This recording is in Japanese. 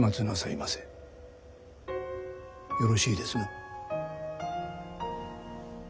よろしいですな？